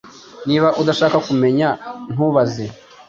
Niba udashaka kumenya, ntubaze.